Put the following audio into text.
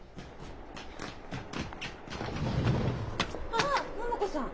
あっ桃子さん。